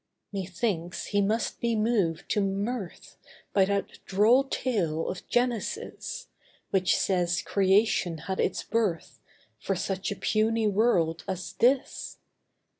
Methinks he must be moved to mirth By that droll tale of Genesis, Which says creation had its birth For such a puny world as this.